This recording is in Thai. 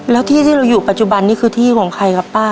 แล้วที่ที่เราอยู่ปัจจุบันนี้คือที่ของใครครับป้า